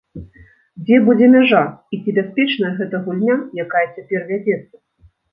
Дзе будзе мяжа, і ці бяспечная гэтая гульня, якая цяпер вядзецца?